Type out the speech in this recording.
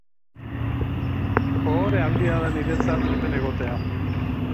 Ohore handia da niretzat hemen egotea.